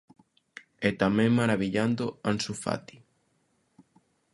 E tamén marabillando: Ansu Fati.